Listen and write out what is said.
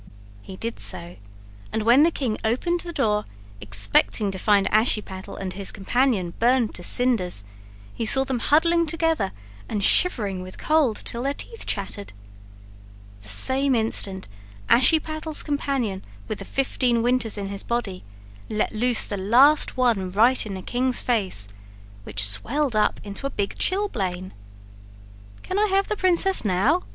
He did so, and when the king opened the door, expecting to find Ashiepattle and his companion burned to cinders, he saw them huddling together and shivering with cold till their teeth chattered. The same instant Ashiepattle's companion with the fifteen winters in his body let loose the last one right in the king's face, which swelled up into a big chilblain. "Can I have the princess now?"